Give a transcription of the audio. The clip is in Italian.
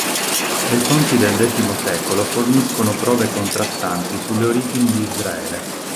Le fonti del X secolo forniscono prove contrastanti sulle origini di Israele.